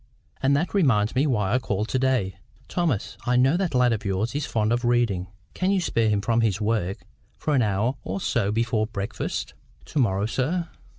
And that reminds me why I called to day. Thomas, I know that lad of yours is fond of reading. Can you spare him from his work for an hour or so before breakfast?" "To morrow, sir?"